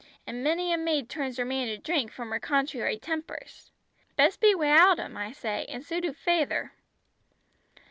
An' many a maid turns her man to drink, from her contrary tempers. Best be wi'out them, I say, an' so do fayther."